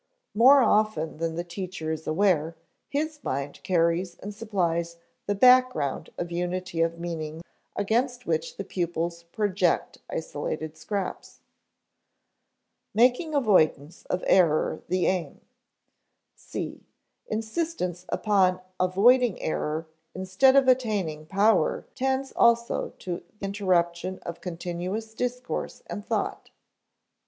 More often than the teacher is aware, his mind carries and supplies the background of unity of meaning against which pupils project isolated scraps. [Sidenote: Making avoidance of error the aim] (c) Insistence upon avoiding error instead of attaining power tends also to interruption of continuous discourse and thought.